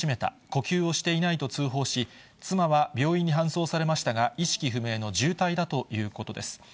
呼吸をしていないと通報し、妻は病院に搬送されましたが、意識不明の重体だということです。